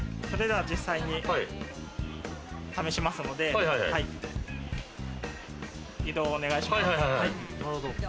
それでは実際に試しますので、移動をお願いします。